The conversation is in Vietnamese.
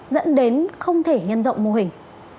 dẫn đến không thể nhân rộng mô hình